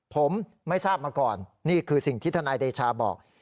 ผมไม่ทราบมาก่อนนี่คือสิ่งที่ทนายเดชาบอก